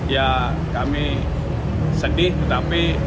ya kami sedih tetapi